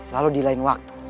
lalu di lain waktu